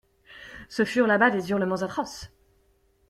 Ce furent, là-bas, des hurlements atroces.